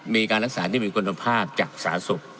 มีการรักษาที่มีคุณภาพจากสาธารณสุข